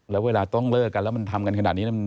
แล้วเวลาต้องเลิกกันแล้วมันทำกันขนาดนี้